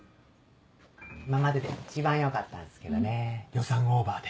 今までで一番よかったんすけどね予算オーバーで。